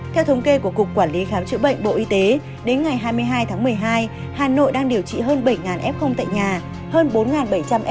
theo thống kê của cục quản lý khám chữa bệnh bộ y tế đến ngày hai mươi hai một mươi hai hà nội đang điều trị hơn bảy f tại nhà